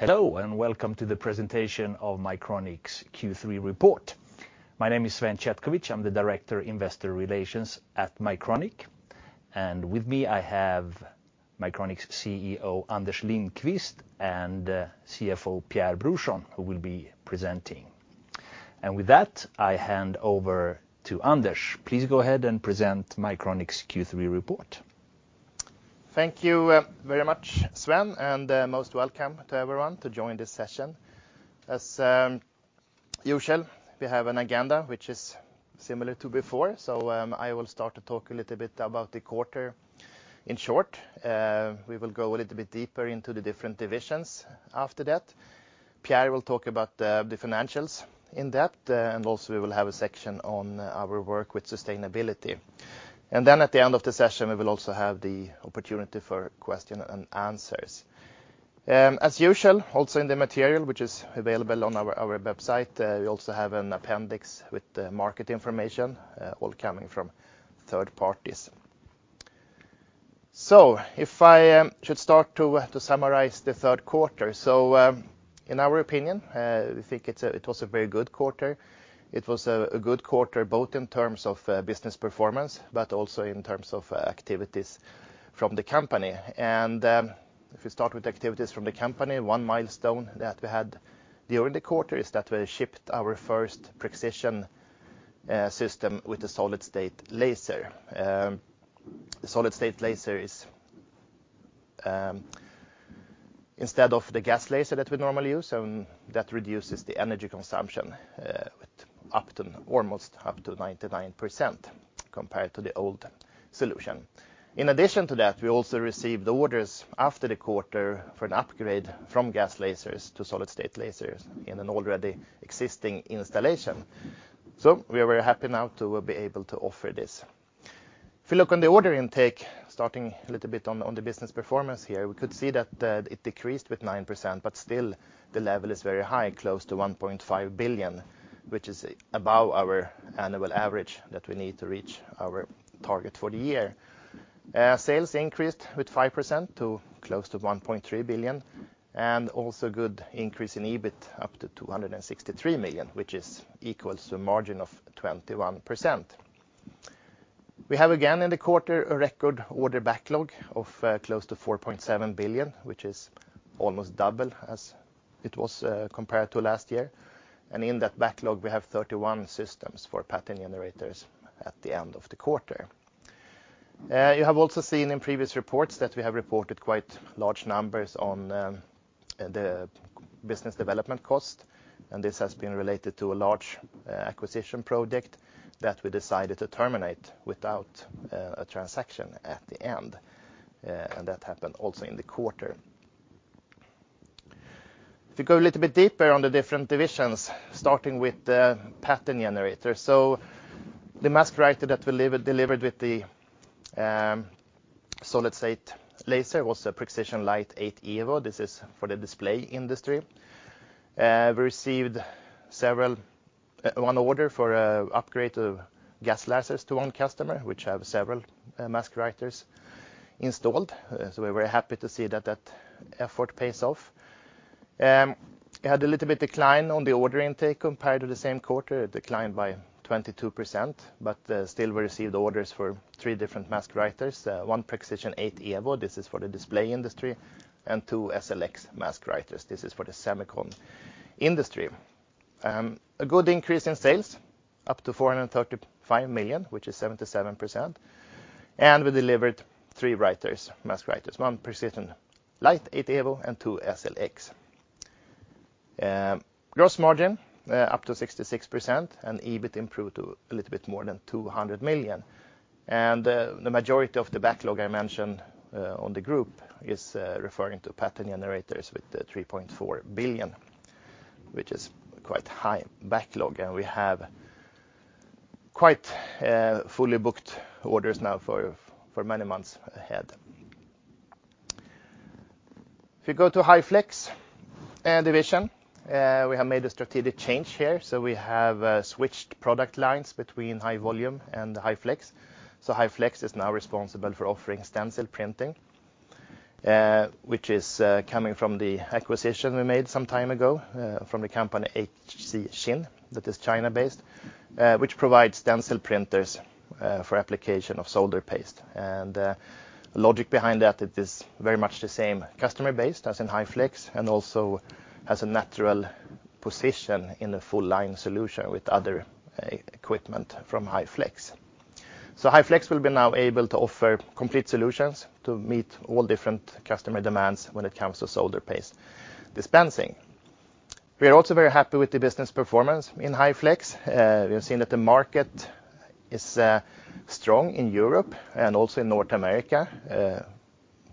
Hello and welcome to the presentation of Mycronic's Q3 report. My name is Sven Chetkovich. I'm the Director of Investor Relations at Mycronic, and with me I have Mycronic's CEO Anders Lindqvist and CFO Pierre Brorsson, who will be presenting. And with that, I hand over to Anders. Please go ahead and present Mycronic's Q3 report. Thank you very much, Sven, and most welcome to everyone to join this session. As usual, we have an agenda which is similar to before, so I will start to talk a little bit about the quarter in short. We will go a little bit deeper into the different divisions after that. Pierre will talk about the financials in depth, and also we will have a section on our work with sustainability, and then at the end of the session, we will also have the opportunity for questions and answers. As usual, also in the material which is available on our website, we also have an appendix with market information, all coming from third parties, so if I should start to summarize the third quarter, so in our opinion, we think it was a very good quarter. It was a good quarter both in terms of business performance but also in terms of activities from the company. And if we start with activities from the company, one milestone that we had during the quarter is that we shipped our first prexision system with a solid-state laser. The solid-state laser is instead of the gas laser that we normally use, and that reduces the energy consumption up to almost 99% compared to the old solution. In addition to that, we also received orders after the quarter for an upgrade from gas lasers to solid-state lasers in an already existing installation. So we are very happy now to be able to offer this. If you look on the order intake, starting a little bit on the business performance here, we could see that it decreased with 9%, but still the level is very high, close to 1.5 billion, which is above our annual average that we need to reach our target for the year. Sales increased with 5% to close to 1.3 billion, and also a good increase in EBIT up to 263 million, which equals a margin of 21%. We have again in the quarter a record order backlog of close to 4.7 billion, which is almost double as it was compared to last year, and in that backlog, we have 31 systems for pattern generators at the end of the quarter. You have also seen in previous reports that we have reported quite large numbers on the business development cost, and this has been related to a large acquisition project that we decided to terminate without a transaction at the end, and that happened also in the quarter. If you go a little bit deeper on the different divisions, starting with the Pattern Generator, so the mask writer that we delivered with the solid-state laser was a Prexision Lite 8 Evo. This is for the display industry. We received one order for an upgrade of gas lasers to one customer, which has several mask writers installed, so we're very happy to see that that effort pays off. It had a little bit of decline on the order intake compared to the same quarter, a decline by 22%, but still we received orders for three different mask writers: one Prexision 8 Evo, this is for the display industry, and two SLX mask writers, this is for the semicon industry. A good increase in sales, up to 435 million, which is 77%, and we delivered three mask writers: one Prexision Lite 8 Evo and two SLX. Gross margin up to 66%, and EBIT improved to a little bit more than 200 million, and the majority of the backlog I mentioned on the group is referring to pattern generators with 3.4 billion, which is quite a high backlog, and we have quite fully booked orders now for many months ahead. If you go to the High Flex division, we have made a strategic change here, so we have switched product lines between High Flex and High Volume. So High Flex is now responsible for offering stencil printing, which is coming from the acquisition we made some time ago from the company HC Xin, that is China-based, which provides stencil printers for application of solder paste. And the logic behind that is very much the same: customer-based as in High Flex, and also has a natural position in a full-line solution with other equipment from High Flex. So High Flex will be now able to offer complete solutions to meet all different customer demands when it comes to solder paste dispensing. We are also very happy with the business performance in High Flex. We have seen that the market is strong in Europe and also in North America,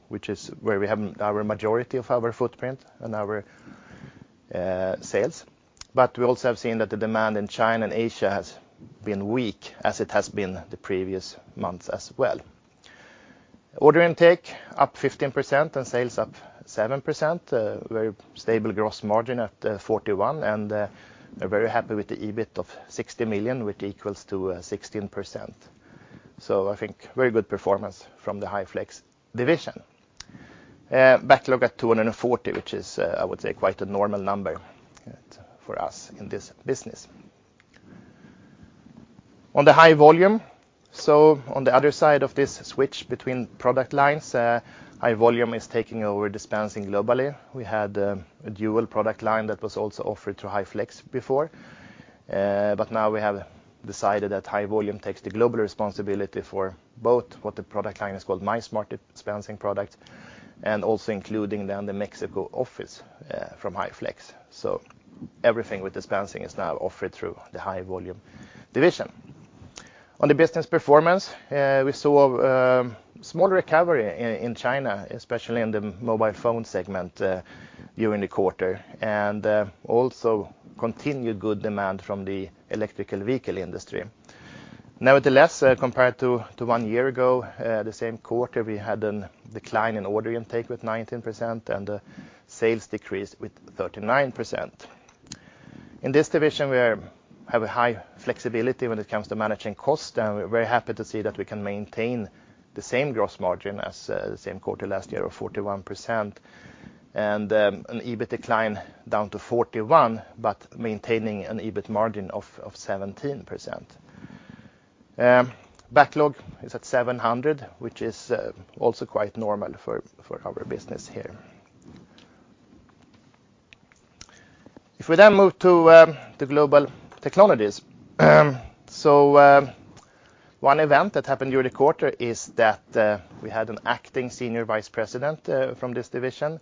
which is where we have our majority of our footprint and our sales. But we also have seen that the demand in China and Asia has been weak, as it has been the previous months as well. Order intake up 15% and sales up 7%, very stable gross margin at 41%, and we're very happy with the EBIT of 60 million, which equals to 16%. So I think very good performance from the High Flex division. Backlog at 240, which is, I would say, quite a normal number for us in this business. On the High Volume, so on the other side of this switch between product lines, High Volume is taking over dispensing globally. We had a dual product line that was also offered to High Flex before, but now we have decided that High Volume takes the global responsibility for both what the product line is called MYSmart dispensing products and also including then the Mexico office from High Flex. So everything with dispensing is now offered through the High Volume division. On the business performance, we saw a small recovery in China, especially in the mobile phone segment during the quarter, and also continued good demand from the electric vehicle industry. Nevertheless, compared to one year ago, the same quarter, we had a decline in order intake with 19% and sales decreased with 39%. In this division, we have a high flexibility when it comes to managing costs, and we're very happy to see that we can maintain the same gross margin as the same quarter last year of 41% and an EBIT decline down to 41, but maintaining an EBIT margin of 17%. Backlog is at 700, which is also quite normal for our business here. If we then move to the Global Technologies, so one event that happened during the quarter is that we had an acting Senior Vice President from this division,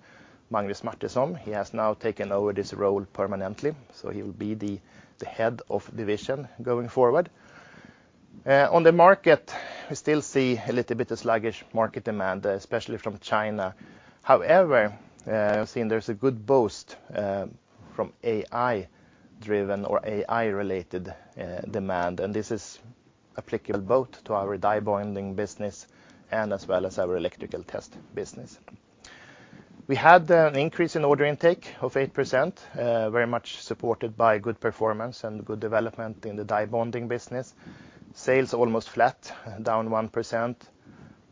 Magnus Martinsson. He has now taken over this role permanently, so he will be the head of division going forward. On the market, we still see a little bit of sluggish market demand, especially from China. However, I've seen there's a good boost from AI-driven or AI-related demand, and this is applicable both to our die-bonding business and as well as our electrical test business. We had an increase in order intake of 8%, very much supported by good performance and good development in the die-bonding business. Sales almost flat, down 1%,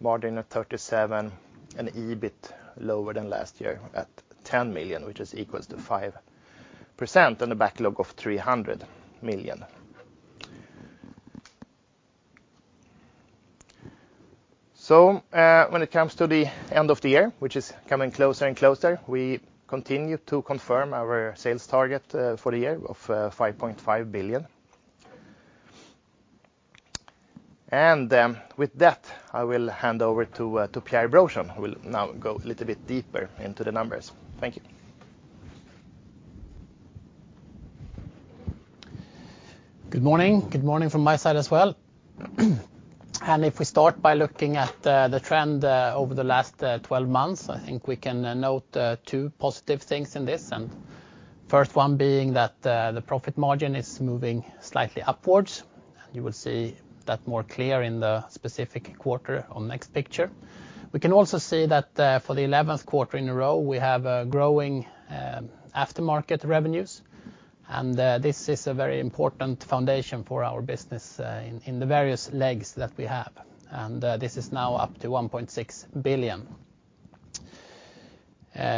margin at 37%, and EBIT lower than last year at 10 million, which is equal to 5% and a backlog of 300 million. So when it comes to the end of the year, which is coming closer and closer, we continue to confirm our sales target for the year of 5.5 billion. And with that, I will hand over to Pierre Brorsson, who will now go a little bit deeper into the numbers. Thank you. Good morning. Good morning from my side as well. And if we start by looking at the trend over the last 12 months, I think we can note two positive things in this, and the first one being that the profit margin is moving slightly upwards. You will see that more clear in the specific quarter on the next picture. We can also see that for the 11th quarter in a row, we have growing aftermarket revenues, and this is a very important foundation for our business in the various legs that we have, and this is now up to 1.6 billion.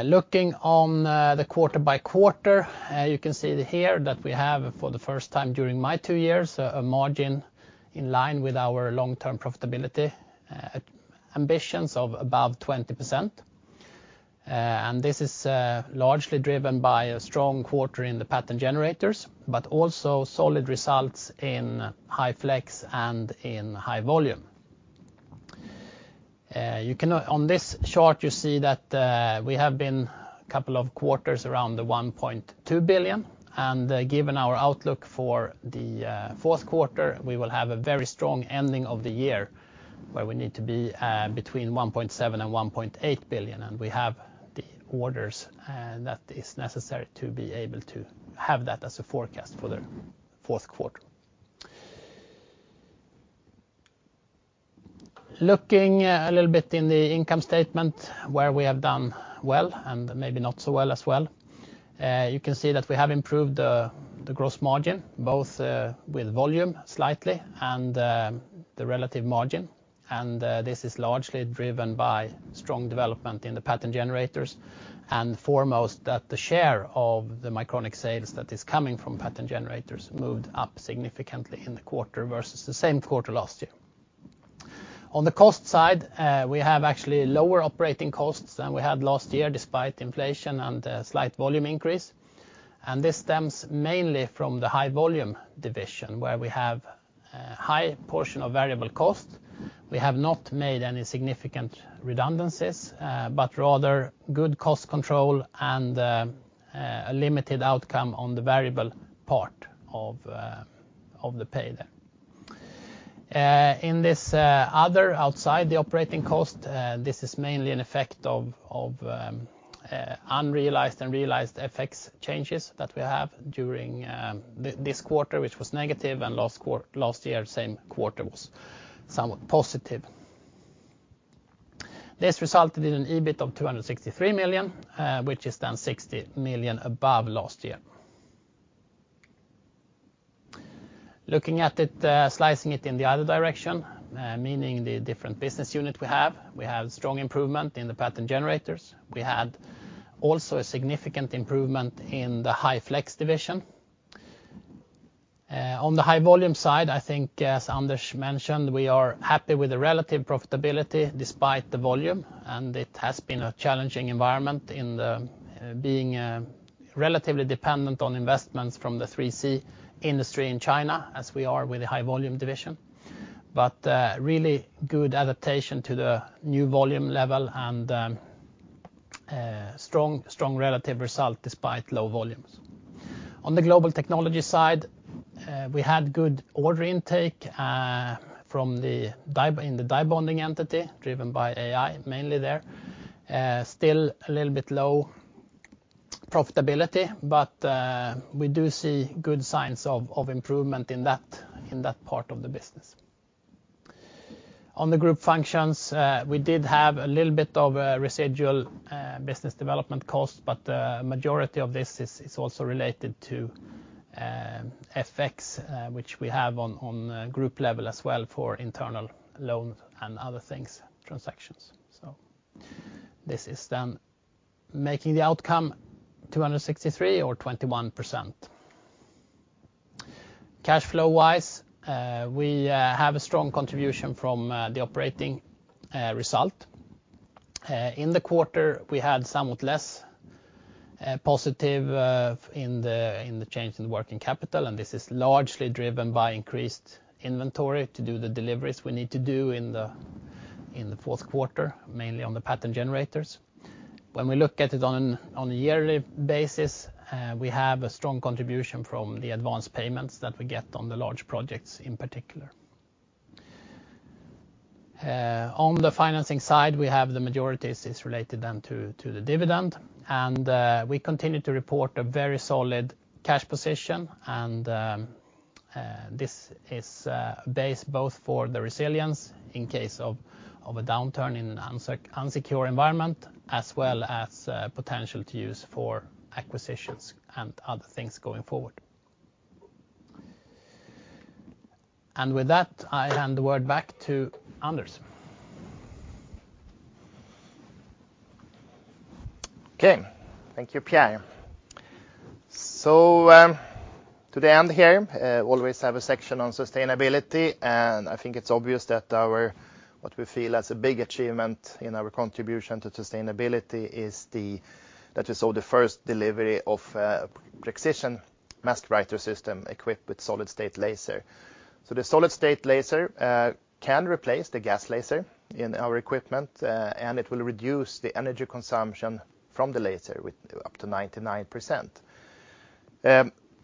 Looking on the quarter by quarter, you can see here that we have, for the first time during my two years, a margin in line with our long-term profitability ambitions of above 20%. And this is largely driven by a strong quarter in the Pattern Generators, but also solid results in High Flex and in High Volume. On this chart, you see that we have been a couple of quarters around the 1.2 billion, and given our outlook for the fourth quarter, we will have a very strong ending of the year where we need to be between 1.7 billion and 1.8 billion, and we have the orders that are necessary to be able to have that as a forecast for the fourth quarter. Looking a little bit in the income statement, where we have done well and maybe not so well as well, you can see that we have improved the gross margin, both with volume slightly and the relative margin, and this is largely driven by strong development in the Pattern Generators, and foremost that the share of the Mycronic sales that is coming from Pattern Generators moved up significantly in the quarter versus the same quarter last year. On the cost side, we have actually lower operating costs than we had last year despite inflation and a slight volume increase, and this stems mainly from the High Volume division, where we have a high portion of variable cost. We have not made any significant redundancies, but rather good cost control and a limited outcome on the variable part of the pay there. In this other, outside the operating cost, this is mainly an effect of unrealized and realized FX changes that we have during this quarter, which was negative, and last year, same quarter, was somewhat positive. This resulted in an EBIT of 263 million, which is then 60 million above last year. Looking at it, slicing it in the other direction, meaning the different business units we have, we have strong improvement in the Pattern Generators. We had also a significant improvement in the High Flex division. On the High Volume side, I think, as Anders mentioned, we are happy with the relative profitability despite the volume, and it has been a challenging environment in being relatively dependent on investments from the 3C industry in China, as we are with the High Volume division, but really good adaptation to the new volume level and strong relative result despite low volumes. On the Global Technologies side, we had good order intake in the die bonding entity, driven by AI mainly there. Still a little bit low profitability, but we do see good signs of improvement in that part of the business. On the group functions, we did have a little bit of residual business development costs, but the majority of this is also related to FX, which we have on group level as well for internal loans and other things, transactions. So this is then making the outcome 263 or 21%. Cash flow-wise, we have a strong contribution from the operating result. In the quarter, we had somewhat less positive in the change in the working capital, and this is largely driven by increased inventory to do the deliveries we need to do in the fourth quarter, mainly on the pattern generators. When we look at it on a yearly basis, we have a strong contribution from the advance payments that we get on the large projects in particular. On the financing side, we have the majority is related then to the dividend, and we continue to report a very solid cash position, and this is based both for the resilience in case of a downturn in an unsecure environment, as well as potential to use for acquisitions and other things going forward. And with that, I hand the word back to Anders. Okay. Thank you, Pierre. So to the end here, always have a section on sustainability, and I think it's obvious that what we feel as a big achievement in our contribution to sustainability is that we saw the first delivery of a precision mask writer system equipped with solid-state laser. So the solid-state laser can replace the gas laser in our equipment, and it will reduce the energy consumption from the laser up to 99%.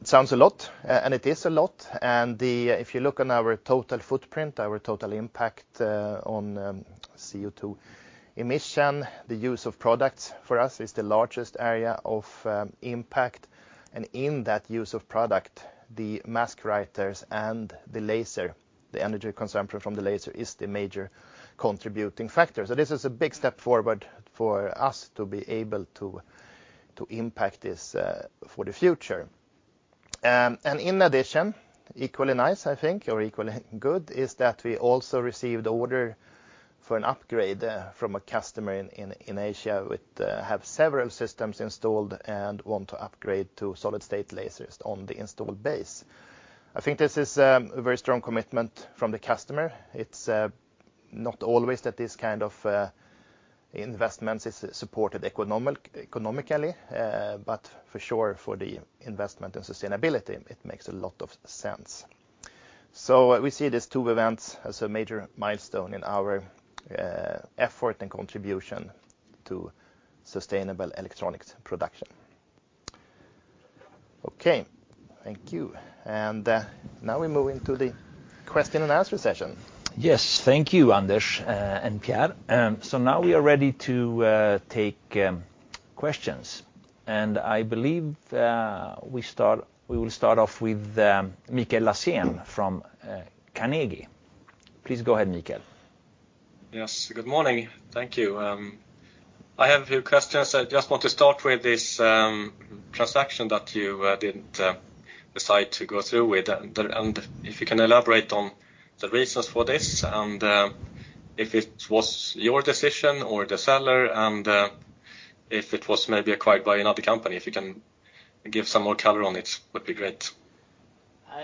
Sounds a lot, and it is a lot. And if you look on our total footprint, our total impact on CO2 emission, the use of products for us is the largest area of impact, and in that use of product, the mask writers and the laser, the energy consumption from the laser is the major contributing factor. So this is a big step forward for us to be able to impact this for the future. And in addition, equally nice, I think, or equally good, is that we also received an order for an upgrade from a customer in Asia with several systems installed and want to upgrade to solid-state lasers on the installed base. I think this is a very strong commitment from the customer. It's not always that this kind of investment is supported economically, but for sure, for the investment in sustainability, it makes a lot of sense. So we see these two events as a major milestone in our effort and contribution to sustainable electronics production. Okay. Thank you, and now we move into the question and answer session. Yes. Thank you, Anders and Pierre. So now we are ready to take questions, and I believe we will start off with Mikael Laséen from Carnegie. Please go ahead, Mikael. Yes. Good morning. Thank you. I have a few questions. I just want to start with this transaction that you didn't decide to go through with, and if you can elaborate on the reasons for this and if it was your decision or the seller and if it was maybe acquired by another company? If you can give some more color on it, it would be great.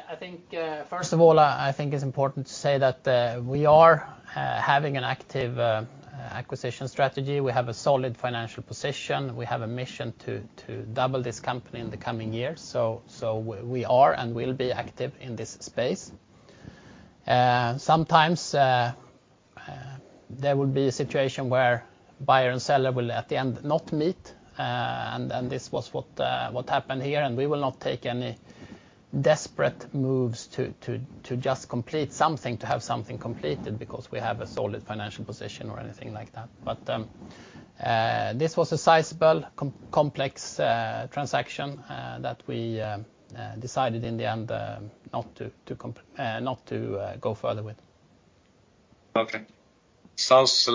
I think, first of all, I think it's important to say that we are having an active acquisition strategy. We have a solid financial position. We have a mission to double this company in the coming years. So we are and will be active in this space. Sometimes there will be a situation where buyer and seller will, at the end, not meet, and then this was what happened here, and we will not take any desperate moves to just complete something, to have something completed because we have a solid financial position or anything like that. But this was a sizable, complex transaction that we decided in the end not to go further with. Okay. Sounds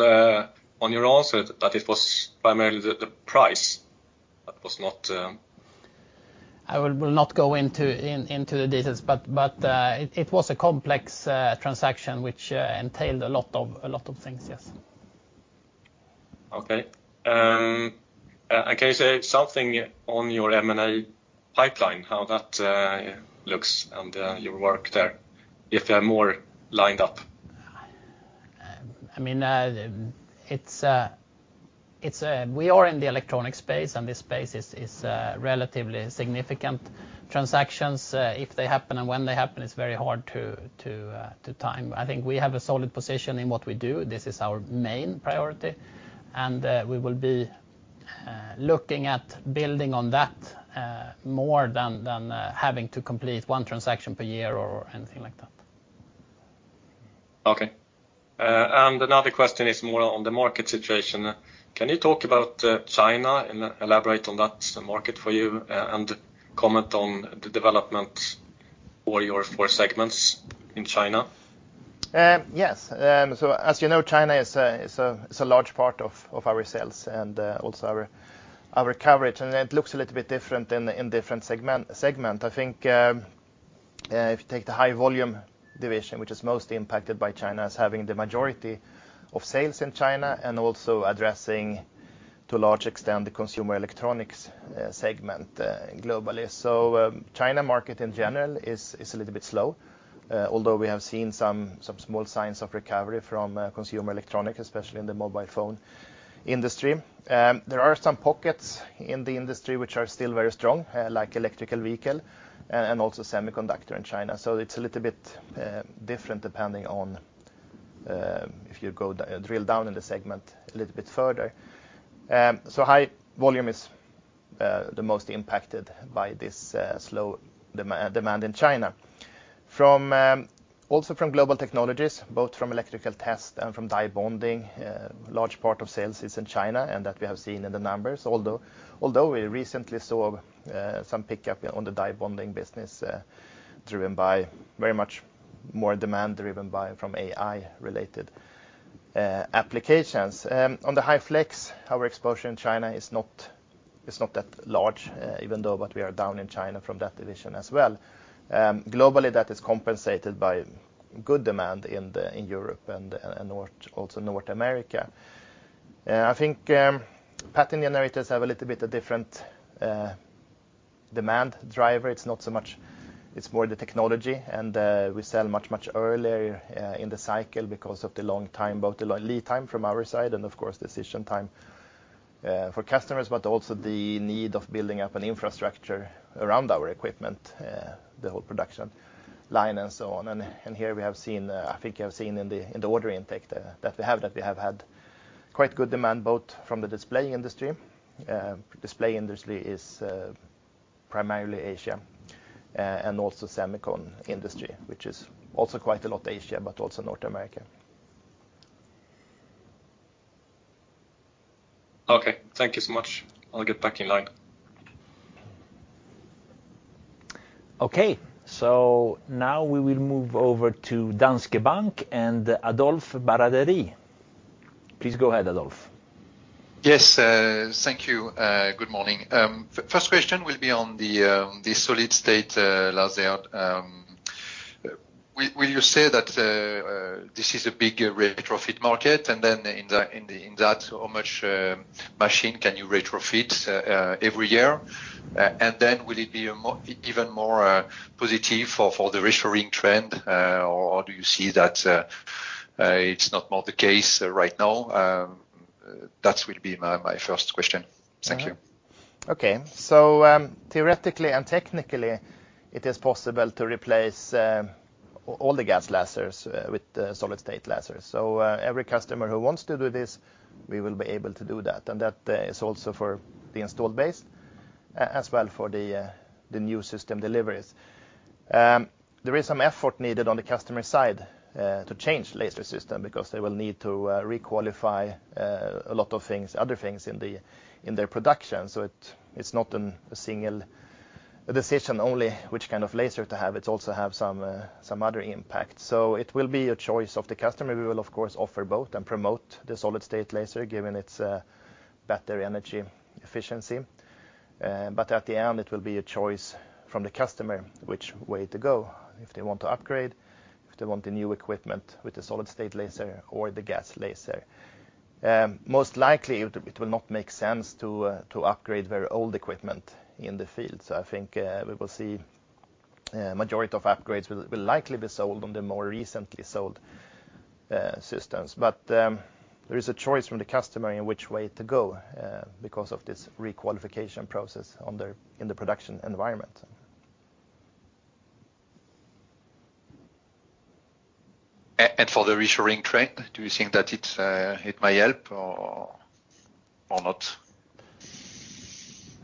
on your answer that it was primarily the price that was not. I will not go into the details, but it was a complex transaction which entailed a lot of things, yes. Okay, and can you say something on your M&A pipeline, how that looks and your work there, if you have more lined up? I mean, we are in the electronic space, and this space is relatively significant. Transactions, if they happen and when they happen, it's very hard to time. I think we have a solid position in what we do. This is our main priority, and we will be looking at building on that more than having to complete one transaction per year or anything like that. Okay, and another question is more on the market situation. Can you talk about China and elaborate on that market for you and comment on the development for your four segments in China? Yes. So as you know, China is a large part of our sales and also our coverage, and it looks a little bit different in different segments. I think if you take the High Volume division, which is most impacted by China as having the majority of sales in China and also addressing, to a large extent, the consumer electronics segment globally. So China market in general is a little bit slow, although we have seen some small signs of recovery from consumer electronics, especially in the mobile phone industry. There are some pockets in the industry which are still very strong, like electric vehicle and also semiconductor in China. So it's a little bit different depending on if you drill down in the segment a little bit further. So High Volume is the most impacted by this slow demand in China. Also from Global Technologies, both from electrical test and from die bonding, a large part of sales is in China and that we have seen in the numbers, although we recently saw some pickup on the die bonding business driven by very much more demand driven from AI-related applications. On the High Flex, our exposure in China is not that large, even though we are down in China from that division as well. Globally, that is compensated by good demand in Europe and also North America. I think Pattern Generators have a little bit of different demand driver. It's not so much. It's more the technology, and we sell much, much earlier in the cycle because of the long time, both the lead time from our side and, of course, decision time for customers, but also the need of building up an infrastructure around our equipment, the whole production line and so on. Here we have seen, I think we have seen in the order intake that we have had quite good demand both from the display industry. Display industry is primarily Asia and also semiconductor industry, which is also quite a lot Asia, but also North America. Okay. Thank you so much. I'll get back in line. Okay, so now we will move over to Danske Bank and Adolf Baratari. Please go ahead, Adolf. Yes. Thank you. Good morning. First question will be on the solid-state laser. Will you say that this is a big retrofit market? And then in that, how much machine can you retrofit every year? And then will it be even more positive for the retrofit trend, or do you see that it's not more the case right now? That will be my first question. Thank you. Okay. So theoretically and technically, it is possible to replace all the gas lasers with solid-state lasers. So every customer who wants to do this, we will be able to do that. And that is also for the installed base as well for the new system deliveries. There is some effort needed on the customer side to change the laser system because they will need to requalify a lot of other things in their production. So it's not a single decision only which kind of laser to have. It's also have some other impact. So it will be a choice of the customer. We will, of course, offer both and promote the solid-state laser given its better energy efficiency. But at the end, it will be a choice from the customer which way to go if they want to upgrade, if they want the new equipment with the solid-state laser or the gas laser. Most likely, it will not make sense to upgrade very old equipment in the field. So I think we will see a majority of upgrades will likely be sold on the more recently sold systems. But there is a choice from the customer in which way to go because of this requalification process in the production environment. And for the reassuring trend, do you think that it may help or not?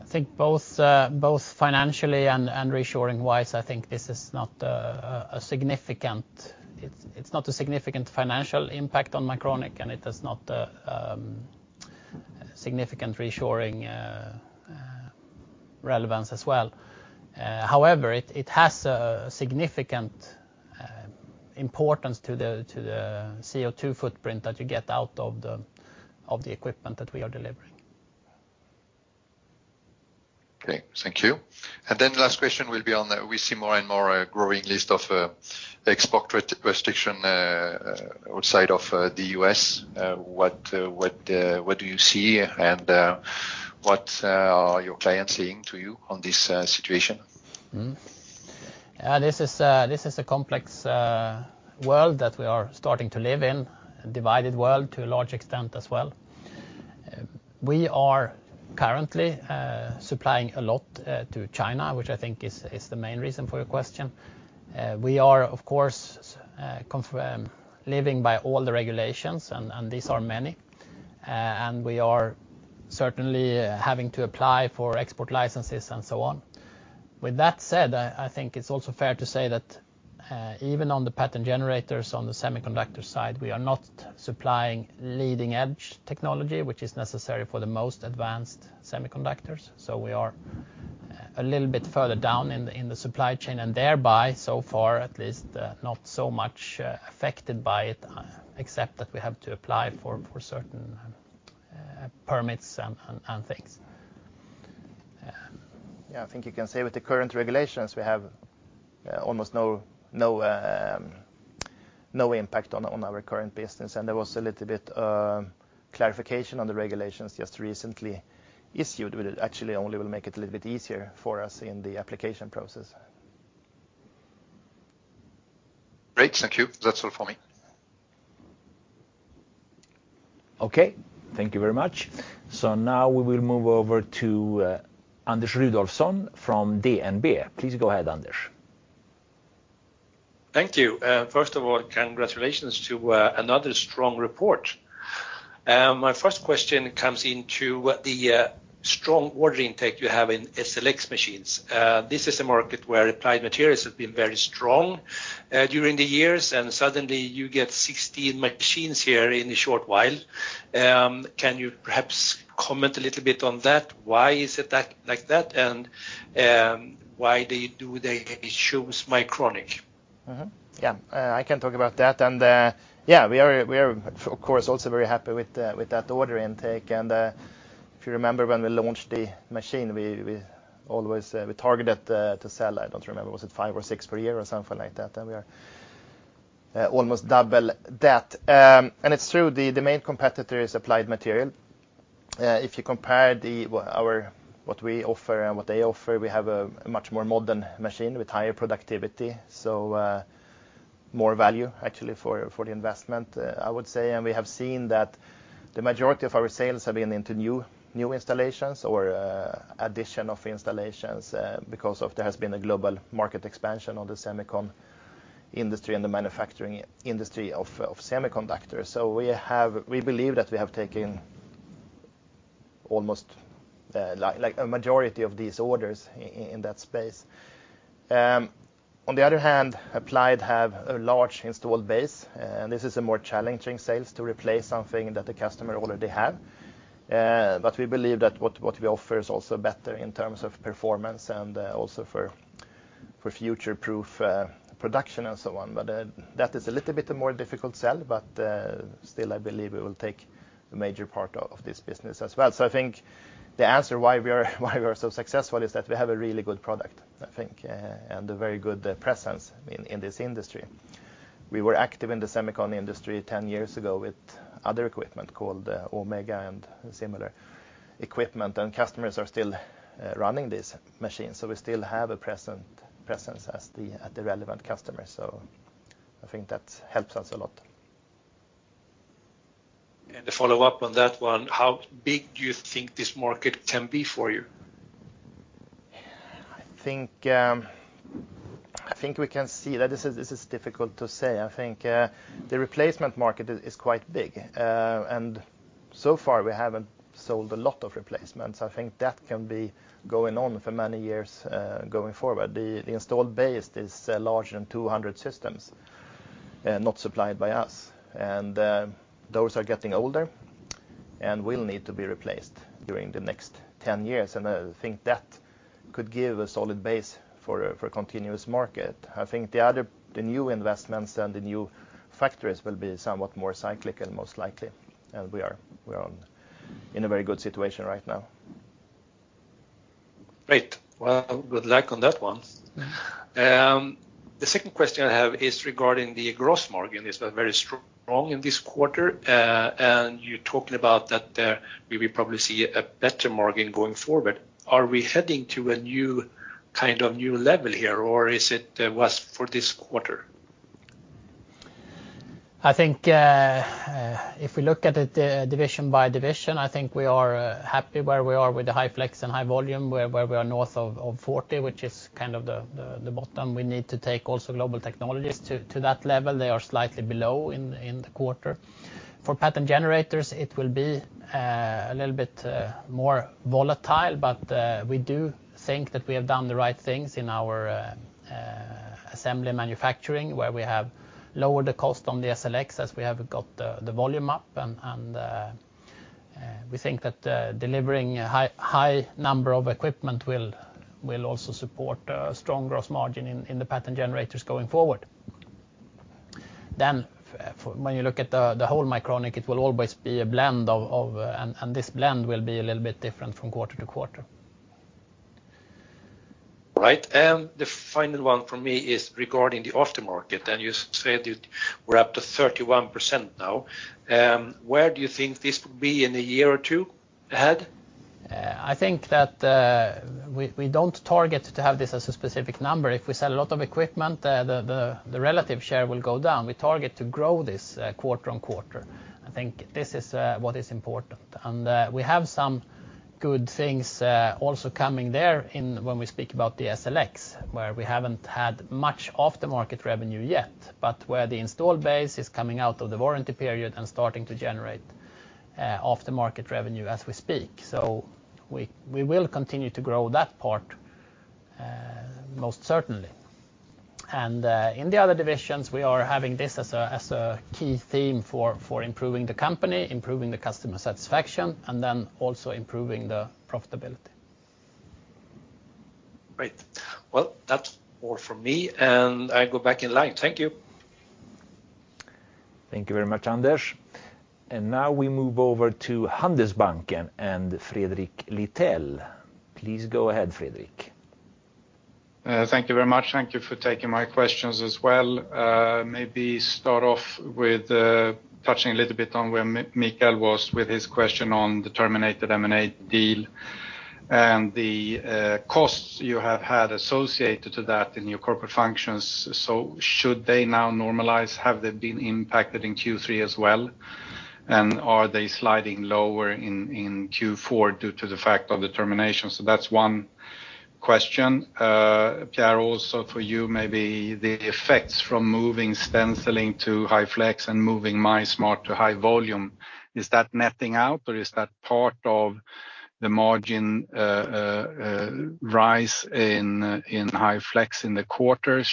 I think both financially and reassuring-wise, I think this is not a significant financial impact on Mycronic, and it has not a significant reassuring relevance as well. However, it has a significant importance to the CO2 footprint that you get out of the equipment that we are delivering. Okay. Thank you, and then the last question will be on that we see more and more growing list of export restrictions outside of the U.S. What do you see and what are your clients saying to you on this situation? This is a complex world that we are starting to live in, a divided world to a large extent as well. We are currently supplying a lot to China, which I think is the main reason for your question. We are, of course, living by all the regulations, and these are many, and we are certainly having to apply for export licenses and so on. With that said, I think it's also fair to say that even on the pattern generators on the semiconductor side, we are not supplying leading-edge technology, which is necessary for the most advanced semiconductors, so we are a little bit further down in the supply chain and thereby, so far, at least not so much affected by it, except that we have to apply for certain permits and things. Yeah. I think you can say with the current regulations, we have almost no impact on our current business. And there was a little bit of clarification on the regulations just recently issued. It actually only will make it a little bit easier for us in the application process. Great. Thank you. That's all for me. Okay. Thank you very much. So now we will move over to Anders Rudolfsson from DNB. Please go ahead, Anders. Thank you. First of all, congratulations to another strong report. My first question comes into the strong order intake you have in SLX machines. This is a market where Applied Materials have been very strong during the years, and suddenly you get 16 machines here in a short while. Can you perhaps comment a little bit on that? Why is it like that, and why do they choose Mycronic? Yeah. I can talk about that. And yeah, we are, of course, also very happy with that order intake. And if you remember when we launched the machine, we targeted to sell, I don't remember, was it five or six per year or something like that, and we are almost double that. And it's true, the main competitor is Applied Materials. If you compare what we offer and what they offer, we have a much more modern machine with higher productivity, so more value actually for the investment, I would say. And we have seen that the majority of our sales have been into new installations or addition of installations because there has been a global market expansion of the semiconductor industry and the manufacturing industry of semiconductors. So we believe that we have taken almost a majority of these orders in that space. On the other hand, Applied Materials have a large installed base. This is a more challenging sales to replace something that the customer already has. But we believe that what we offer is also better in terms of performance and also for future-proof production and so on. But that is a little bit a more difficult sell, but still, I believe we will take a major part of this business as well. So I think the answer why we are so successful is that we have a really good product, I think, and a very good presence in this industry. We were active in the semiconductor industry 10 years ago with other equipment called Omega and similar equipment, and customers are still running these machines. So we still have a presence as the relevant customers. So I think that helps us a lot. To follow up on that one, how big do you think this market can be for you? I think we can see that this is difficult to say. I think the replacement market is quite big, and so far we haven't sold a lot of replacements. I think that can be going on for many years going forward. The installed base is larger than 200 systems not supplied by us, and those are getting older and will need to be replaced during the next 10 years, and I think that could give a solid base for a continuous market. I think the new investments and the new factories will be somewhat more cyclical, most likely, and we are in a very good situation right now. Great. Well, good luck on that one. The second question I have is regarding the gross margin. It's been very strong in this quarter, and you're talking about that we will probably see a better margin going forward. Are we heading to a new kind of new level here, or is it was for this quarter? I think if we look at it division by division, I think we are happy where we are with the High Flex and High Volume, where we are north of 40, which is kind of the bottom. We need to take also Global Technologies to that level. They are slightly below in the quarter. For Pattern Generators, it will be a little bit more volatile, but we do think that we have done the right things in our assembly manufacturing where we have lowered the cost on the SLX as we have got the volume up. And we think that delivering a high number of equipment will also support a strong gross margin in the Pattern Generators going forward. Then when you look at the whole Mycronic, it will always be a blend, and this blend will be a little bit different from quarter to quarter. All right. And the final one for me is regarding the aftermarket. And you said you were up to 31% now. Where do you think this will be in a year or two ahead? I think that we don't target to have this as a specific number. If we sell a lot of equipment, the relative share will go down. We target to grow this quarter on quarter. I think this is what is important. And we have some good things also coming there when we speak about the SLX, where we haven't had much aftermarket revenue yet, but where the installed base is coming out of the warranty period and starting to generate aftermarket revenue as we speak. So we will continue to grow that part most certainly. And in the other divisions, we are having this as a key theme for improving the company, improving the customer satisfaction, and then also improving the profitability. Great. Well, that's all from me, and I go back in line. Thank you. Thank you very much, Anders. And now we move over to Handelsbanken and Fredrik Lithell. Please go ahead, Fredrik. Thank you very much. Thank you for taking my questions as well. Maybe start off with touching a little bit on where Mikael was with his question on the terminated M&A deal and the costs you have had associated to that in your corporate functions. So should they now normalize? Have they been impacted in Q3 as well? And are they sliding lower in Q4 due to the fact of the termination? So that's one question. Pierre, also for you, maybe the effects from moving stenciling to High Flex and moving MySmart to High Volume, is that netting out, or is that part of the margin rise in High Flex in the quarter?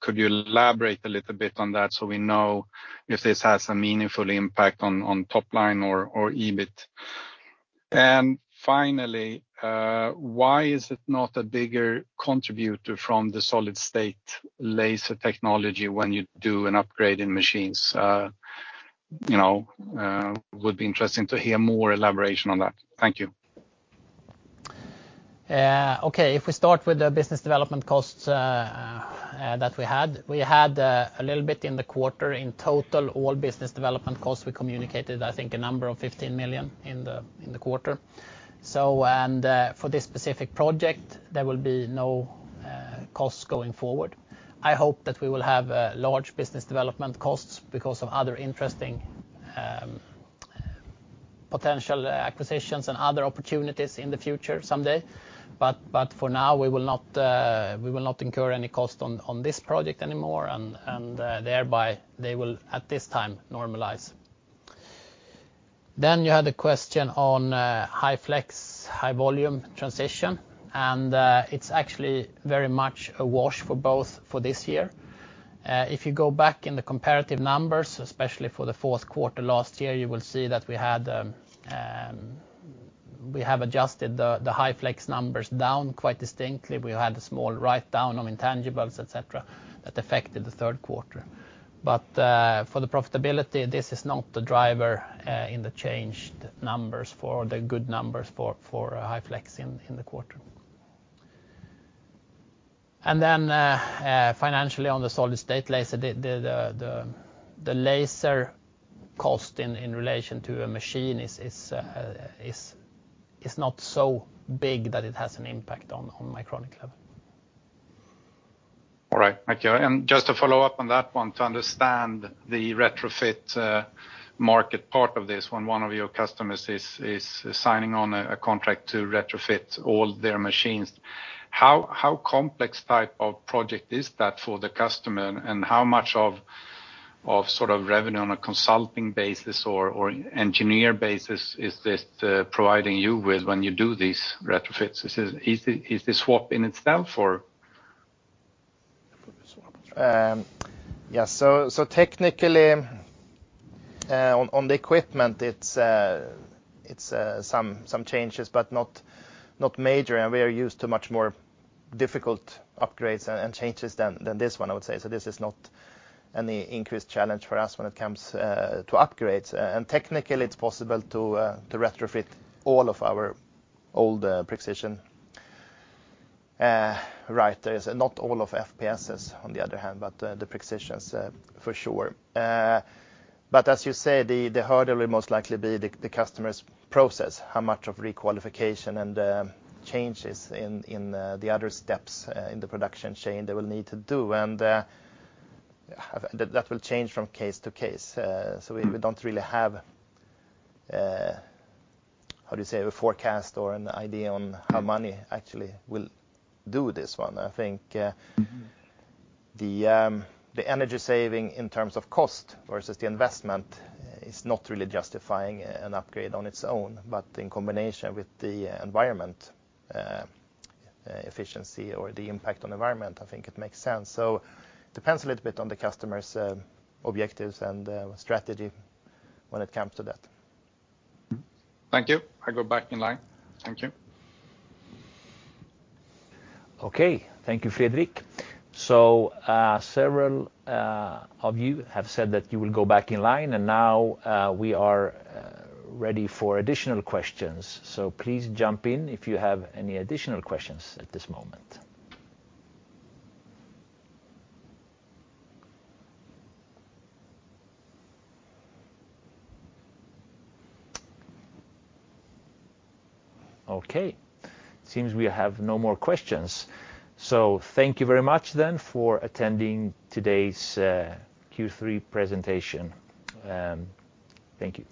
Could you elaborate a little bit on that so we know if this has a meaningful impact on top line or EBIT? And finally, why is it not a bigger contributor from the solid-state laser technology when you do an upgrade in machines? It would be interesting to hear more elaboration on that. Thank you. Okay. If we start with the business development costs that we had, we had a little bit in the quarter. In total, all business development costs, we communicated, I think, a number of 15 million in the quarter, and for this specific project, there will be no costs going forward. I hope that we will have large business development costs because of other interesting potential acquisitions and other opportunities in the future someday, but for now, we will not incur any cost on this project anymore, and thereby they will at this time normalize, then you had a question on High Flex High Volume transition, and it's actually very much a wash for both for this year. If you go back in the comparative numbers, especially for the fourth quarter last year, you will see that we have adjusted the High Flex numbers down quite distinctly. We had a small write-down on intangibles, etc., that affected the third quarter, but for the profitability, this is not the driver in the changed numbers for the good numbers for High Flex in the quarter, and then financially, on the solid-state laser, the laser cost in relation to a machine is not so big that it has an impact on Mycronic level. All right. Thank you. And just to follow up on that one, to understand the retrofit market part of this, when one of your customers is signing on a contract to retrofit all their machines, how complex type of project is that for the customer? And how much of sort of revenue on a consulting basis or engineer basis is this providing you with when you do these retrofits? Is this swap in itself or? Yeah, so technically, on the equipment, it's some changes, but not major, and we are used to much more difficult upgrades and changes than this one, I would say, so this is not any increased challenge for us when it comes to upgrades, and technically, it's possible to retrofit all of our old Precision, right. Not all of FPSs on the other hand, but the Prexisions for sure, but as you say, the hurdle will most likely be the customer's process, how much of requalification and changes in the other steps in the production chain they will need to do, and that will change from case to case, so we don't really have, how do you say, a forecast or an idea on how many actually will do this one. I think the energy saving in terms of cost versus the investment is not really justifying an upgrade on its own, but in combination with the environment efficiency or the impact on the environment, I think it makes sense. So it depends a little bit on the customer's objectives and strategy when it comes to that. Thank you. I go back in line. Thank you. Okay. Thank you, Fredrik. So several of you have said that you will go back in line, and now we are ready for additional questions. So please jump in if you have any additional questions at this moment. Okay. It seems we have no more questions. So thank you very much then for attending today's Q3 presentation. Thank you.